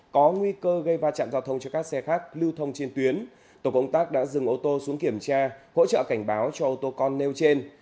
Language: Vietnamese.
có nguy cơ gây va chạm giao thông cho các xe khác lưu thông trên tuyến tổ công tác đã dừng ô tô xuống kiểm tra hỗ trợ cảnh báo cho ô tô con nêu trên